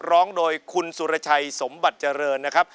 ร้องโดยคุณสุรชัยสมบัติเจริญนะครับ